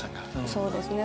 そうですね。